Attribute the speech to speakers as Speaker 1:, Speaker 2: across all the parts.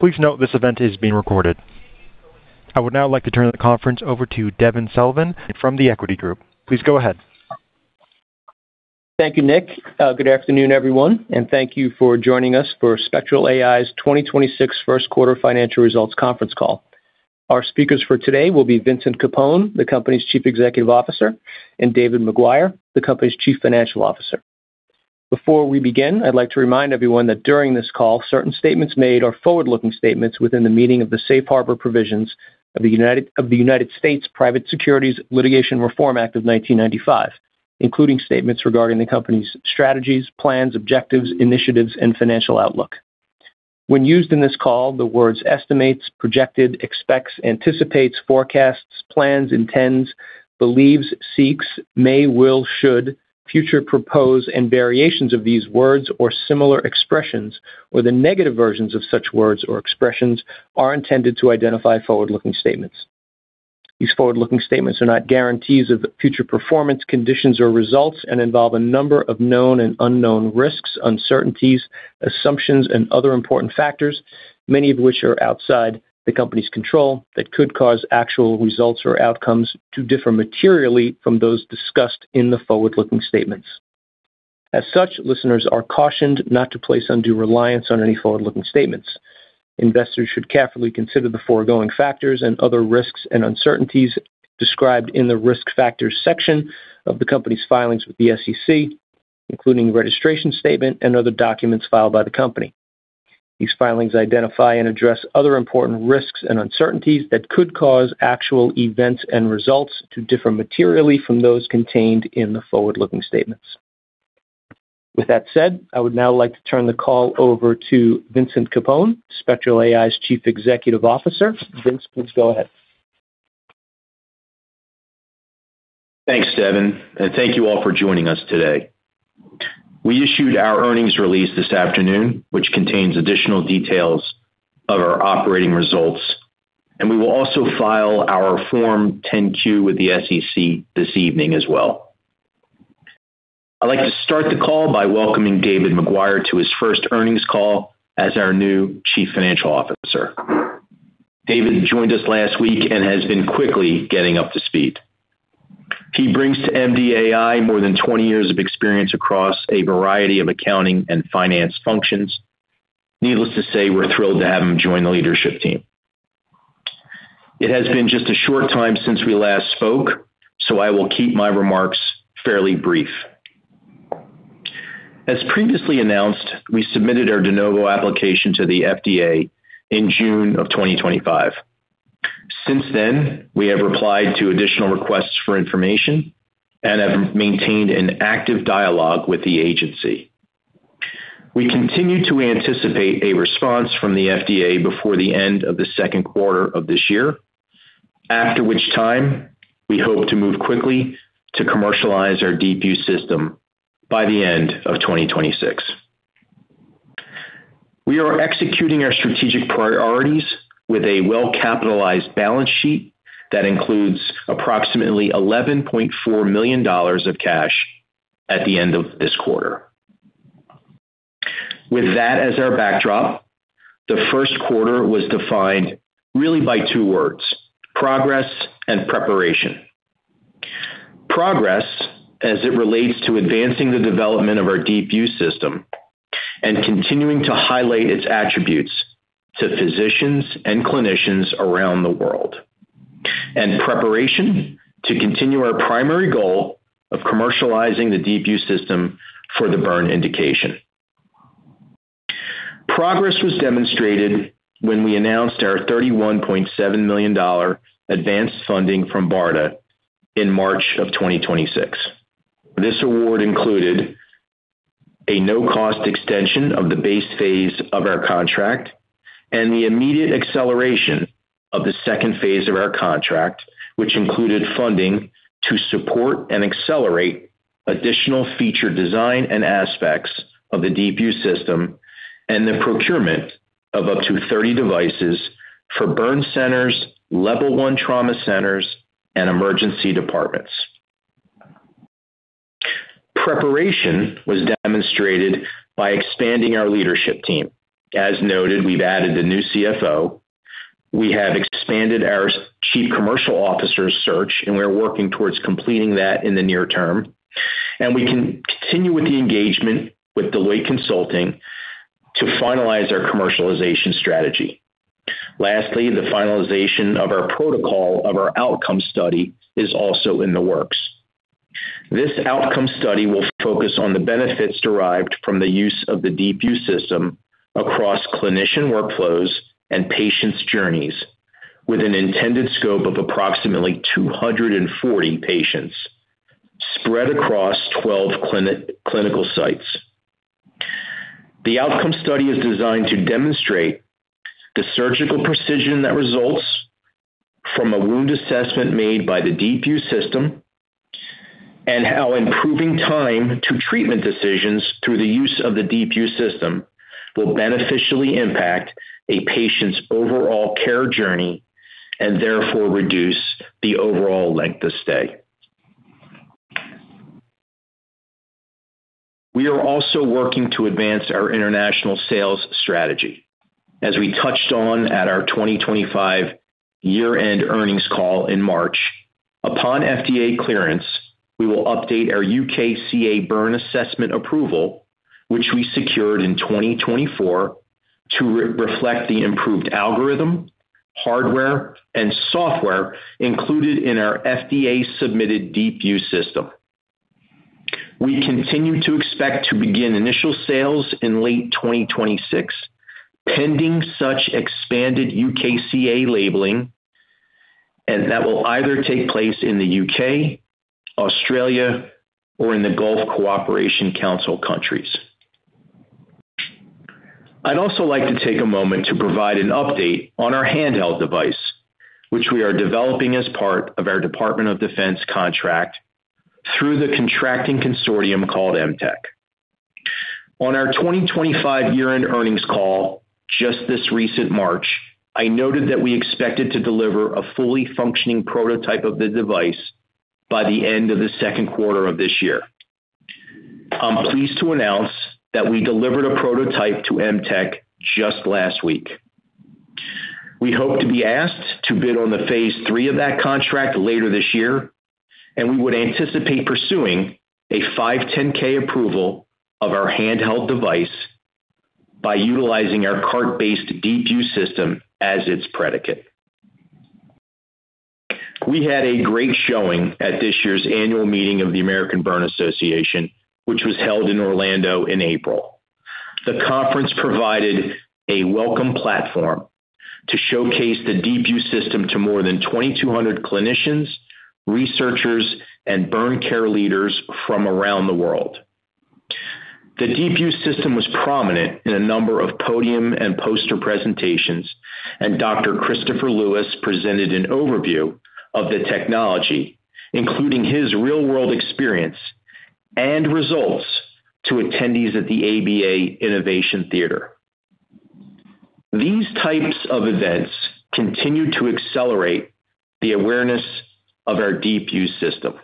Speaker 1: Please note this event is being recorded. I would now like to turn the conference over to Devin Sullivan from The Equity Group. Please go ahead.
Speaker 2: Thank you, Nick. Good afternoon, everyone, and thank you for joining us for Spectral AI's 2026 first quarter financial results conference call. Our speakers for today will be Vincent Capone, the company's Chief Executive Officer, and David McGuire, the company's Chief Financial Officer. Before we begin, I'd like to remind everyone that during this call, certain statements made are forward-looking statements within the meaning of the safe harbor provisions of the United States Private Securities Litigation Reform Act of 1995, including statements regarding the company's strategies, plans, objectives, initiatives, and financial outlook. When used in this call, the words estimates, projected, expects, anticipates, forecasts, plans, intends, believes, seeks, may, will, should, future propose, and variations of these words or similar expressions or the negative versions of such words or expressions are intended to identify forward-looking statements. These forward-looking statements are not guarantees of future performance, conditions, or results and involve a number of known and unknown risks, uncertainties, assumptions, and other important factors, many of which are outside the company's control that could cause actual results or outcomes to differ materially from those discussed in the forward-looking statements. As such, listeners are cautioned not to place undue reliance on any forward-looking statements. Investors should carefully consider the foregoing factors and other risks and uncertainties described in the Risk Factors section of the company's filings with the SEC, including registration statement and other documents filed by the company. These filings identify and address other important risks and uncertainties that could cause actual events and results to differ materially from those contained in the forward-looking statements. With that said, I would now like to turn the call over to Vincent Capone, Spectral AI's Chief Executive Officer. Vince, please go ahead.
Speaker 3: Thanks, Devin. Thank you all for joining us today. We issued our earnings release this afternoon, which contains additional details of our operating results, and we will also file our Form 10-Q with the SEC this evening as well. I'd like to start the call by welcoming David McGuire to his first earnings call as our new Chief Financial Officer. David joined us last week and has been quickly getting up to speed. He brings to MDAI more than 20 years of experience across a variety of accounting and finance functions. Needless to say, we're thrilled to have him join the leadership team. It has been just a short time since we last spoke, so I will keep my remarks fairly brief. As previously announced, we submitted our De Novo application to the FDA in June of 2025. Since then, we have replied to additional requests for information and have maintained an active dialogue with the agency. We continue to anticipate a response from the FDA before the end of the second quarter of this year, after which time we hope to move quickly to commercialize our DeepView system by the end of 2026. We are executing our strategic priorities with a well-capitalized balance sheet that includes approximately $11.4 million of cash at the end of this quarter. With that as our backdrop, the first quarter was defined really by two words: progress and preparation. Progress as it relates to advancing the development of our DeepView system and continuing to highlight its attributes to physicians and clinicians around the world. Preparation to continue our primary goal of commercializing the DeepView system for the burn indication. Progress was demonstrated when we announced our $31.7 million advanced funding from BARDA in March 2026. This award included a no-cost extension of the base phase of our contract and the immediate acceleration of the second phase of our contract, which included funding to support and accelerate additional feature design and aspects of the DeepView system and the procurement of up to 30 devices for burn centers, level one trauma centers, and emergency departments. Preparation was demonstrated by expanding our leadership team. As noted, we've added a new CFO. We have expanded our Chief Commercial Officer search, we're working towards completing that in the near term. We continue with the engagement with Deloitte Consulting to finalize our commercialization strategy. Lastly, the finalization of our protocol of our outcome study is also in the works. This outcome study will focus on the benefits derived from the use of the DeepView system across clinician workflows and patients' journeys with an intended scope of approximately 240 patients spread across 12 clinical sites. The outcome study is designed to demonstrate the surgical precision that results from a wound assessment made by the DeepView system and how improving time to treatment decisions through the use of the DeepView system will beneficially impact a patient's overall care journey and therefore reduce the overall length of stay. We are also working to advance our international sales strategy. As we touched on at our 2025 year-end earnings call in March, upon FDA clearance, we will update our UKCA burn assessment approval, which we secured in 2024, to re-reflect the improved algorithm, hardware, and software included in our FDA-submitted DeepView system. We continue to expect to begin initial sales in late 2026, pending such expanded UKCA labeling, and that will either take place in the U.K., Australia, or in the Gulf Cooperation Council countries. I'd also like to take a moment to provide an update on our handheld device, which we are developing as part of our Department of Defense contract through the contracting consortium called MTEC. On our 2025 year-end earnings call just this recent March, I noted that we expected to deliver a fully functioning prototype of the device by the end of the second quarter of this year. I'm pleased to announce that we delivered a prototype to MTEC just last week. We hope to be asked to bid on the phase III of that contract later this year, and we would anticipate pursuing a 510(k) approval of our handheld device by utilizing our cart-based DeepView system as its predicate. We had a great showing at this year's annual meeting of the American Burn Association, which was held in Orlando in April. The conference provided a welcome platform to showcase the DeepView system to more than 2,200 clinicians, researchers, and burn care leaders from around the world. The DeepView system was prominent in a number of podium and poster presentations, and Dr. Christopher Lewis presented an overview of the technology, including his real-world experience and results to attendees at the ABA Innovation Theater. These types of events continue to accelerate the awareness of our DeepView system.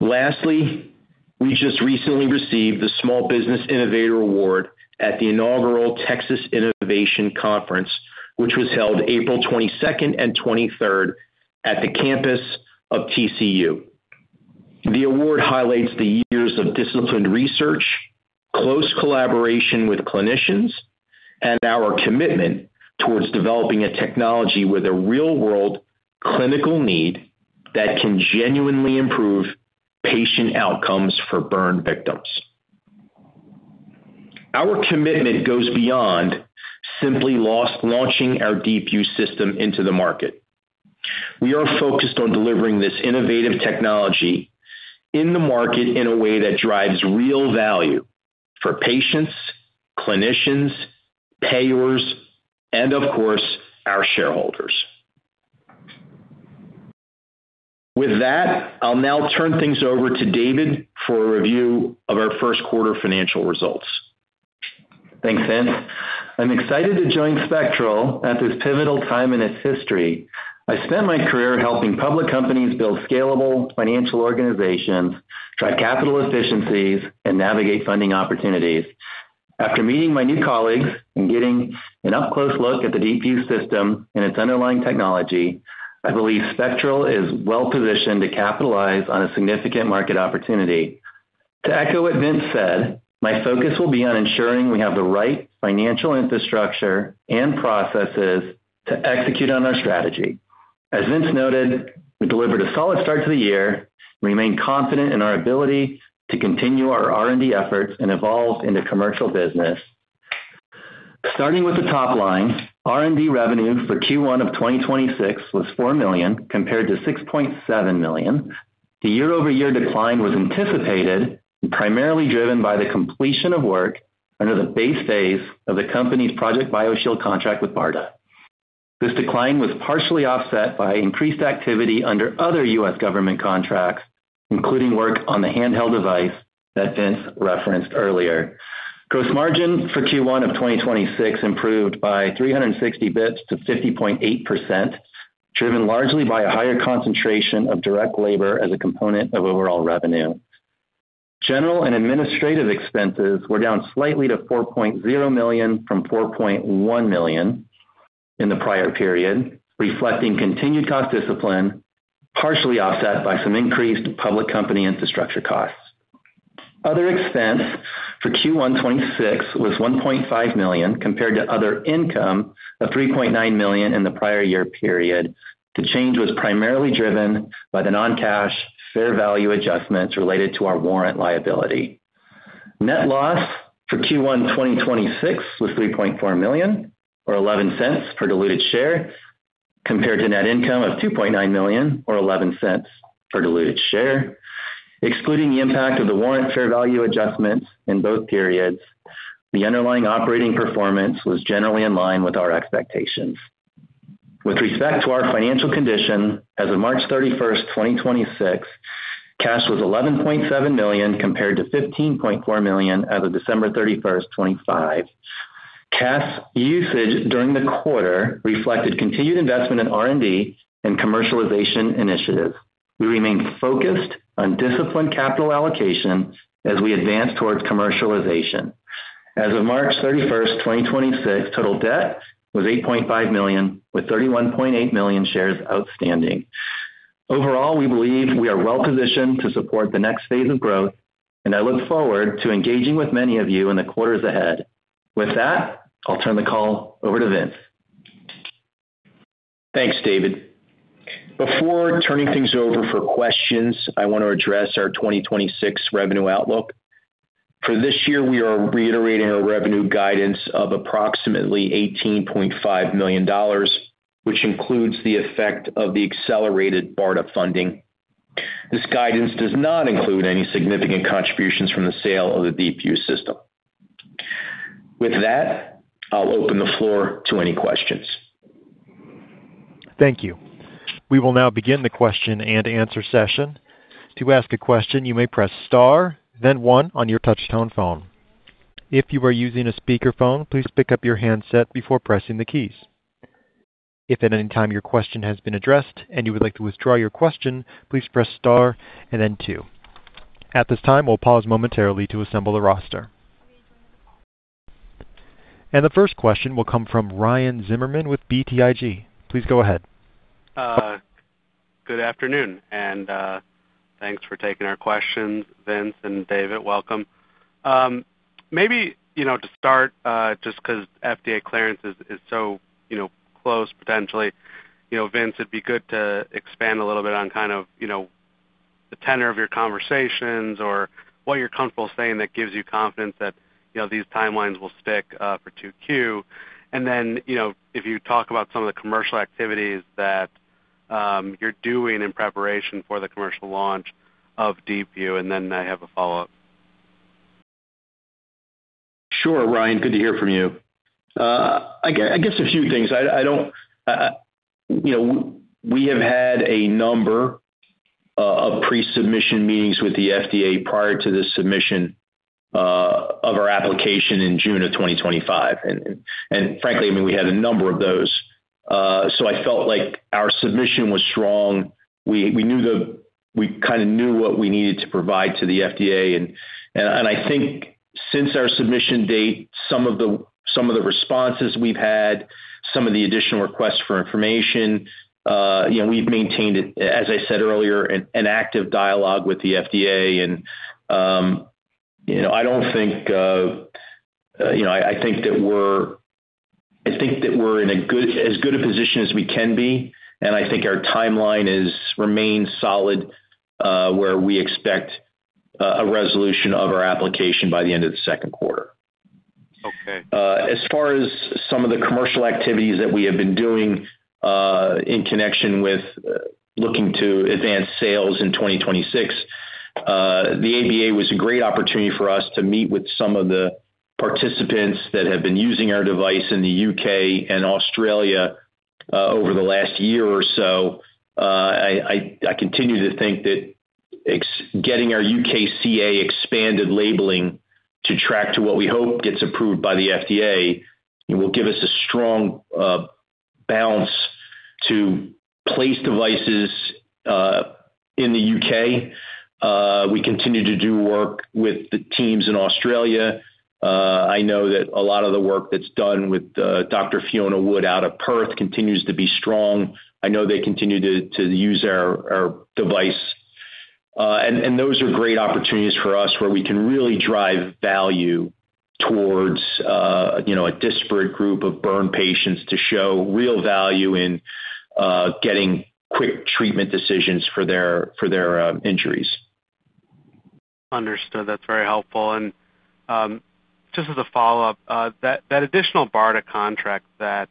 Speaker 3: Lastly, we just recently received the Small Business Innovator Award at the inaugural Texas Innovation Conference, which was held April 22nd and 23rd at the campus of TCU. The award highlights the years of disciplined research, close collaboration with clinicians, and our commitment towards developing a technology with a real-world clinical need that can genuinely improve patient outcomes for burn victims. Our commitment goes beyond simply launching our DeepView system into the market. We are focused on delivering this innovative technology in the market in a way that drives real value for patients, clinicians, payers, and of course, our shareholders. With that, I'll now turn things over to David for a review of our first quarter financial results.
Speaker 4: Thanks, Vince. I'm excited to join Spectral AI at this pivotal time in its history. I spent my career helping public companies build scalable financial organizations, drive capital efficiencies, and navigate funding opportunities. After meeting my new colleagues and getting an up-close look at the DeepView system and its underlying technology, I believe Spectral AI is well-positioned to capitalize on a significant market opportunity. To echo what Vince said, my focus will be on ensuring we have the right financial infrastructure and processes to execute on our strategy. As Vince noted, we delivered a solid start to the year and remain confident in our ability to continue our R&D efforts and evolve into commercial business. Starting with the top line, R&D revenue for Q1 of 2026 was $4 million, compared to $6.7 million. The year-over-year decline was anticipated and primarily driven by the completion of work under the base phase of the company's Project BioShield contract with BARDA. This decline was partially offset by increased activity under other U.S. government contracts, including work on the handheld device that Vince referenced earlier. Gross margin for Q1 of 2026 improved by 360 basis points to 50.8%, driven largely by a higher concentration of direct labor as a component of overall revenue. General and administrative expenses were down slightly to $4.0 million from $4.1 million in the prior period, reflecting continued cost discipline, partially offset by some increased public company infrastructure costs. Other expense for Q1 2026 was $1.5 million, compared to other income of $3.9 million in the prior year period. The change was primarily driven by the non-cash fair value adjustments related to our warrant liability. Net loss for Q1 2026 was $3.4 million, or $0.11 per diluted share, compared to net income of $2.9 million, or $0.11 per diluted share. Excluding the impact of the warrant fair value adjustments in both periods, the underlying operating performance was generally in line with our expectations. With respect to our financial condition, as of March 31st, 2026, cash was $11.7 million compared to $15.4 million as of December 31st, 2025. Cash usage during the quarter reflected continued investment in R&D and commercialization initiatives. We remain focused on disciplined capital allocation as we advance towards commercialization. As of March 31st, 2026, total debt was $8.5 million, with 31.8 million shares outstanding. Overall, we believe we are well-positioned to support the next phase of growth, and I look forward to engaging with many of you in the quarters ahead. With that, I'll turn the call over to Vince.
Speaker 3: Thanks, David. Before turning things over for questions, I want to address our 2026 revenue outlook. For this year, we are reiterating our revenue guidance of approximately $18.5 million, which includes the effect of the accelerated BARDA funding. This guidance does not include any significant contributions from the sale of the DeepView system. With that, I'll open the floor to any questions.
Speaker 1: Thank you. We will now begin the question-and-answer session. To ask a question, you may press star then one on your touchtone phone. If you are using a speakerphone, please pick up your handset before pressing the keys. If at any time your question has been addressed and you would like to withdraw your question, please press star and then two. At this time, we'll pause momentarily to assemble the roster. The first question will come from Ryan Zimmerman with BTIG. Please go ahead.
Speaker 5: Good afternoon, thanks for taking our questions, Vince and David. Welcome. Maybe, you know, to start, just 'cause FDA clearance is so, you know, close potentially, you know, Vince, it'd be good to expand a little bit on kind of, you know, the tenor of your conversations or what you're comfortable saying that gives you confidence that, you know, these timelines will stick for Q2. Then, you know, if you talk about some of the commercial activities that you're doing in preparation for the commercial launch of DeepView, and then I have a follow-up.
Speaker 3: Sure, Ryan. I guess a few things. I don't, you know, we have had a number of pre-submission meetings with the FDA prior to the submission of our application in June of 2025. Frankly, I mean, we had a number of those, so I felt like our submission was strong. We kinda knew what we needed to provide to the FDA. I think since our submission date, some of the responses we've had, some of the additional requests for information, you know, we've maintained, as I said earlier, an active dialogue with the FDA. You know, I don't think, you know, I think that we're in as good a position as we can be, and I think our timeline has remained solid, where we expect a resolution of our application by the end of the second quarter.
Speaker 5: Okay.
Speaker 3: As far as some of the commercial activities that we have been doing, in connection with looking to advance sales in 2026, the ABA was a great opportunity for us to meet with some of the participants that have been using our device in the U.K. and Australia, over the last year or so. I continue to think that getting our UKCA expanded labeling to track to what we hope gets approved by the FDA will give us a strong balance to place devices in the U.K. We continue to do work with the teams in Australia. I know that a lot of the work that's done with Dr. Fiona Wood out of Perth continues to be strong. I know they continue to use our device. Those are great opportunities for us where we can really drive value towards, you know, a disparate group of burn patients to show real value in getting quick treatment decisions for their injuries.
Speaker 5: Understood. That's very helpful. Just as a follow-up, that additional BARDA contract that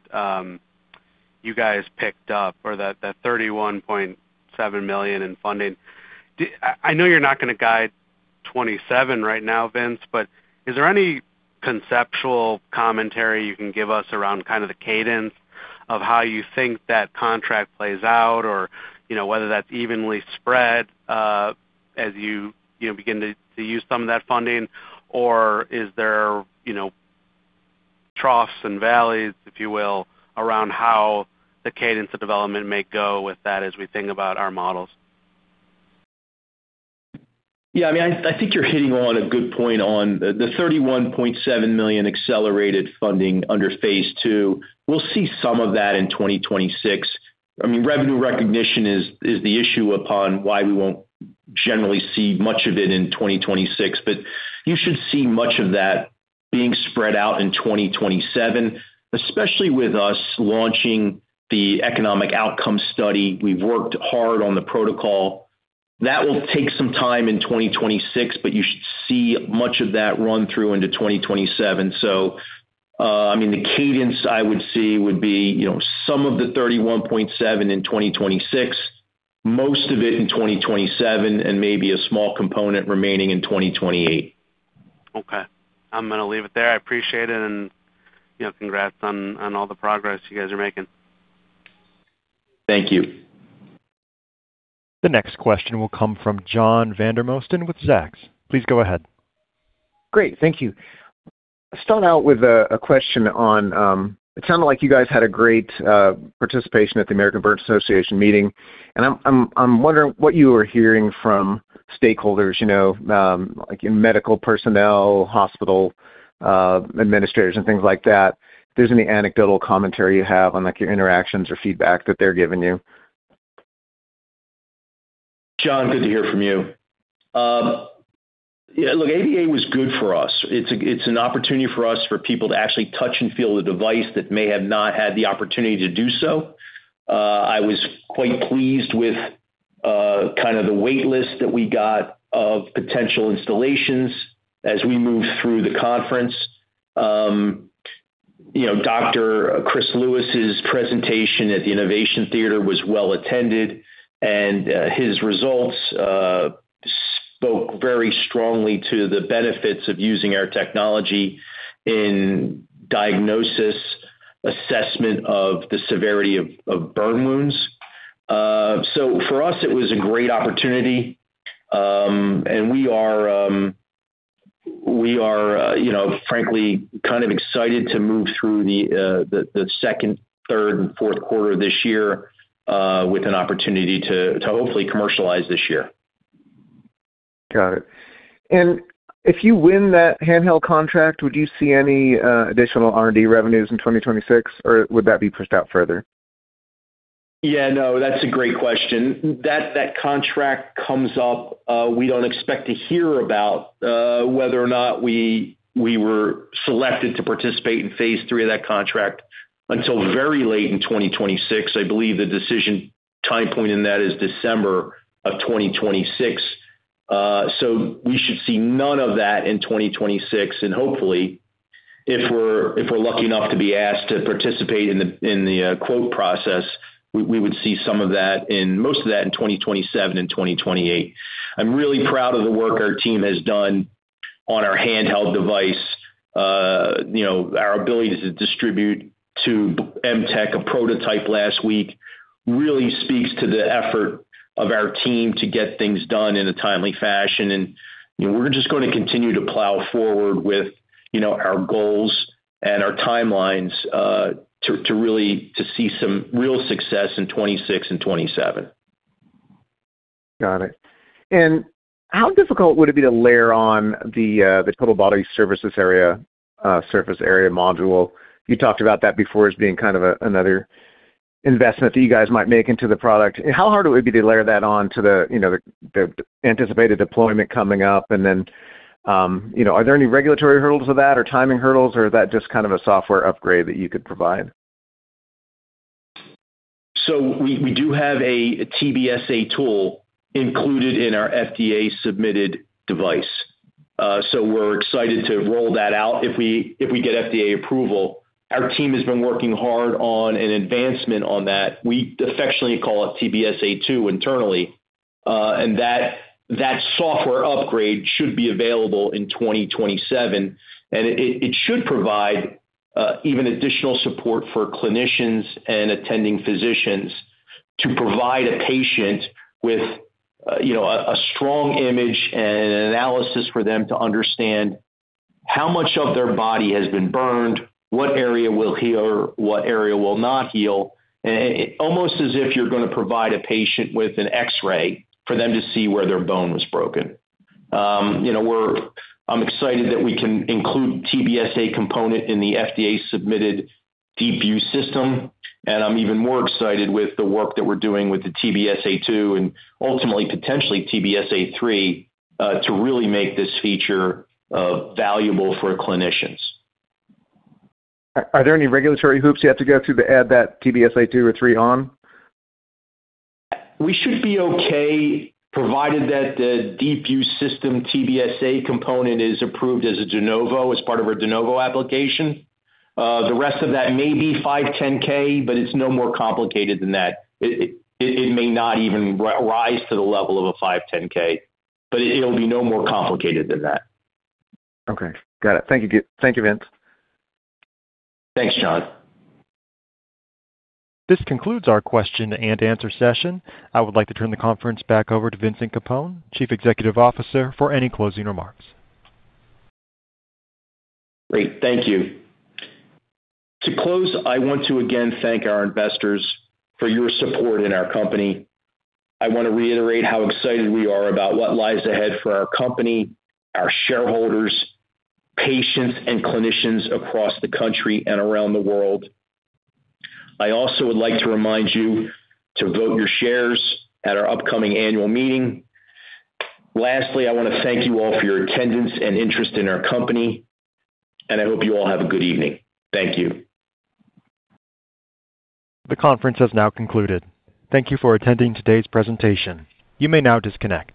Speaker 5: you guys picked up or that $31.7 million in funding, I know you're not gonna guide 2027 right now, Vince, but is there any conceptual commentary you can give us around kind of the cadence of how you think that contract plays out or whether that's evenly spread as you begin to use some of that funding? Or is there troughs and valleys, if you will, around how the cadence of development may go with that as we think about our models?
Speaker 3: Yeah. I mean, I think you're hitting on a good point on the $31.7 million accelerated funding under phase II. We'll see some of that in 2026. I mean, revenue recognition is the issue upon why we won't generally see much of it in 2026. You should see much of that being spread out in 2027, especially with us launching the economic outcome study. We've worked hard on the protocol. That will take some time in 2026, but you should see much of that run through into 2027. I mean, the cadence I would see would be, you know, some of the $31.7 in 2026, most of it in 2027, and maybe a small component remaining in 2028.
Speaker 5: Okay. I'm going to leave it there. I appreciate it, and, you know, congrats on all the progress you guys are making.
Speaker 3: Thank you.
Speaker 1: The next question will come from John Vandermosten with Zacks. Please go ahead.
Speaker 6: Great. Thank you. Start out with a question on. It sounded like you guys had great participation at the American Burn Association meeting. I'm wondering what you are hearing from stakeholders, you know, like in medical personnel, hospital administrators, and things like that. If there's any anecdotal commentary you have on, like, your interactions or feedback that they're giving you.
Speaker 3: John, good to hear from you. Yeah, look, ABA was good for us. It's an opportunity for us for people to actually touch and feel the device that may have not had the opportunity to do so. I was quite pleased with kind of the wait list that we got of potential installations as we moved through the conference. You know, Dr. Christopher Lewis' presentation at the ABA Innovation Theater was well attended, and his results spoke very strongly to the benefits of using our technology in diagnosis, assessment of the severity of burn wounds. For us, it was a great opportunity. We are, you know, frankly kind of excited to move through the second, third, and fourth quarter this year with an opportunity to hopefully commercialize this year.
Speaker 6: Got it. If you win that handheld contract, would you see any additional R&D revenues in 2026, or would that be pushed out further?
Speaker 3: No, that's a great question. That contract comes up, we don't expect to hear about whether or not we were selected to participate in phase III of that contract until very late in 2026. I believe the decision time point in that is December of 2026. We should see none of that in 2026, and hopefully, if we're lucky enough to be asked to participate in the quote process, we would see some of that in most of that in 2027 and 2028. I'm really proud of the work our team has done on our handheld device. You know, our ability to distribute to MTEC a prototype last week really speaks to the effort of our team to get things done in a timely fashion. You know, we're just gonna continue to plow forward with, you know, our goals and our timelines, to really see some real success in 2026 and 2027.
Speaker 6: Got it. How difficult would it be to layer on the Total Body Surface Area module? You talked about that before as being kind of another investment that you guys might make into the product. How hard would it be to layer that on to the anticipated deployment coming up? Then, are there any regulatory hurdles of that or timing hurdles, or is that just kind of a software upgrade that you could provide?
Speaker 3: We do have a TBSA tool included in our FDA-submitted device, we're excited to roll that out if we get FDA approval. Our team has been working hard on an advancement on that. We affectionately call it TBSA 2 internally, and that software upgrade should be available in 2027. It should provide even additional support for clinicians and attending physicians to provide a patient with, you know, a strong image and analysis for them to understand how much of their body has been burned, what area will heal, what area will not heal. Almost as if you're gonna provide a patient with an X-ray for them to see where their bone was broken. You know, I'm excited that we can include TBSA component in the FDA-submitted DeepView system, and I'm even more excited with the work that we're doing with the TBSA 2 and ultimately potentially TBSA 3, to really make this feature valuable for clinicians.
Speaker 6: Are there any regulatory hoops you have to go through to add that TBSA 2 or TBSA 3 on?
Speaker 3: We should be okay, provided that the DeepView system TBSA component is approved as a De Novo, as part of our De Novo application. The rest of that may be 510(k), it's no more complicated than that. It may not even rise to the level of a 510(k), it'll be no more complicated than that.
Speaker 6: Okay. Got it. Thank you. Thank you, Vince.
Speaker 3: Thanks, John.
Speaker 1: This concludes our question and answer session. I would like to turn the conference back over to Vincent Capone, Chief Executive Officer, for any closing remarks.
Speaker 3: Great. Thank you. To close, I want to again thank our investors for your support in our company. I wanna reiterate how excited we are about what lies ahead for our company, our shareholders, patients, and clinicians across the country and around the world. I also would like to remind you to vote your shares at our upcoming annual meeting. Lastly, I wanna thank you all for your attendance and interest in our company, and I hope you all have a good evening. Thank you.
Speaker 1: The conference has now concluded. Thank you for attending today's presentation. You may now disconnect.